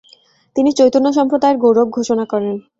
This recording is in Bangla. তিনি চৈতন্যসম্প্রদায়ের গৌরব ঘোষণা করেন।